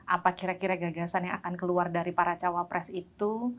apa kira kira gagasan yang akan keluar dari para cawapres itu